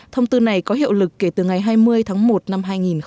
thông tư này có hiệu lực kể từ ngày hai mươi tháng một năm hai nghìn hai mươi